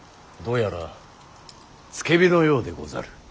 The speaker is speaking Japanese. どうやら付け火のようでござる。